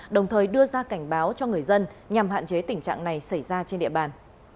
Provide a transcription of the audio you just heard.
đồng thời đưa ra cảnh báo cho người dân nhằm hạn chế tình trạng này xảy ra trên địa bàn